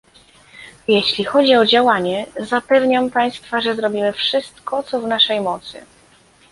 Jeśli chodzi o działanie, zapewniam państwa, że zrobimy wszystko, co w naszej mocy